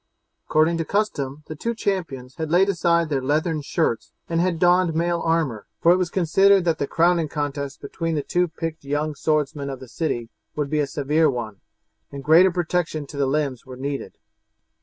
According to custom the two champions had laid aside their leathern shirts and had donned mail armour, for it was considered that the crowning contest between the two picked young swordsmen of the city would be a severe one, and greater protection to the limbs was needed.